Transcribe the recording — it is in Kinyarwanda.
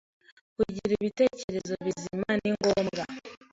Kugira Ibitekerezo bizima ni ngombwa